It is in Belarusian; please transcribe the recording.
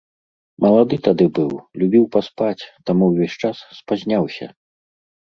Малады тады быў, любіў паспаць, таму ўвесь час спазняўся.